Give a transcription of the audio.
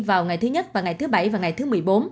vào ngày thứ nhất và ngày thứ bảy và ngày thứ một mươi bốn